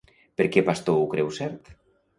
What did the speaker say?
Per què Pastor ho creu cert?